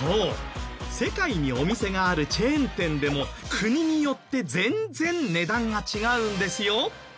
そう世界にお店があるチェーン店でも国によって全然値段が違うんですよ。